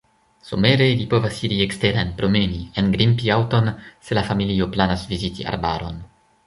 Somere ili povas iri eksteren promeni, engrimpi aŭton, se la familio planas viziti arbaron.